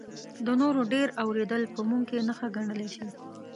د نورو ډېر اورېدل په موږ کې نښه ګڼلی شي.